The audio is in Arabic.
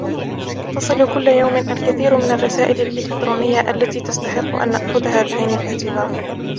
تصل كل يوم الكثير من الرسائل الإلكترونية التي تستحق أن نأخذها بعين الاعتبار.